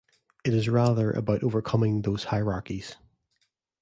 It is rather about overcoming those hierarchies.